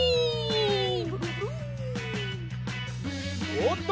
おおっと！